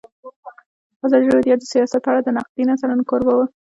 ازادي راډیو د سیاست په اړه د نقدي نظرونو کوربه وه.